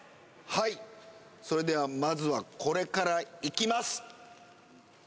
はいそれではまずはこれからいきます